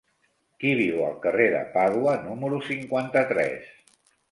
Qui viu al carrer de Pàdua número cinquanta-tres?